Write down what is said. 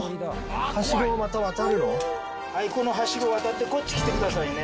はいこのハシゴ渡ってこっち来てくださいね。